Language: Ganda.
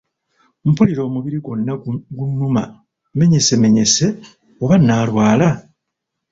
Mpulira omubiri gwonna gunnuma menyesemenyese oba naalwala?